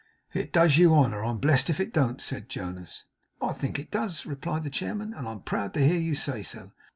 'It does you honour. I'm blest if it don't,' said Jonas. 'I think it does,' replied the chairman, 'and I'm proud to hear you say so.